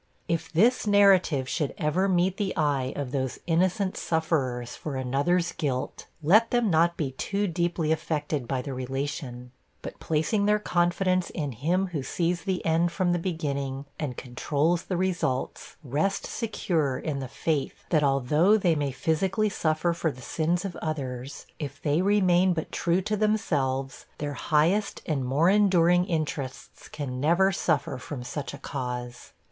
If this narrative should ever meet the eye of those innocent sufferers for another's guilt, let them not be too deeply affected by the relation; but, placing their confidence in Him who sees the end from the beginning, and controls the results, rest secure in the faith, that, although they may physically suffer for the sins of others, if they remain but true to themselves, their highest and more enduring interests can never suffer from such a cause.